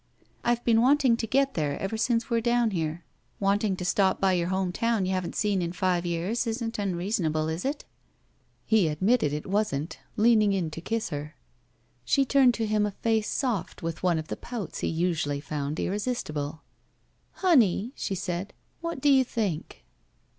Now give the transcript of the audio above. I've been wanting to get there ever since we're down here. 80 BACK PAY Wanting to stop by yotir home town you haven't seen in five years isn't tmreasonable, is it?" He admitted it wasn't, leaning to kiss her. She turned to him a face soft, with one of the pouts he usually foimd irresistible. "Honey," she said, "what do you think?"